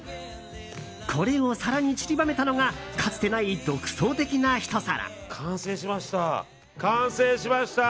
これを更に散りばめたのがかつてない独創的なひと皿。